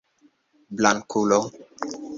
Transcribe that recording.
blankulo